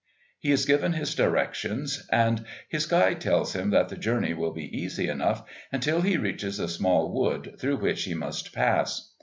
He is given his directions, and his guide tells him that the journey will be easy enough until he reaches a small wood through which he must pass.